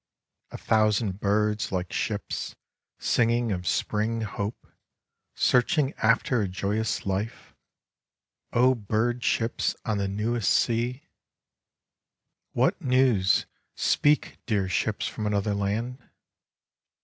A thousand birds, like ships, singing of Spring hope, searching after a joyous life. (O bird ships on the newest sea !)." What news, speak, dear ships from another land ?